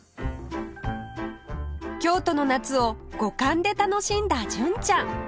京都の夏を五感で楽しんだ純ちゃん